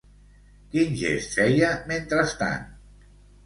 Quin gest feia, mentrestant?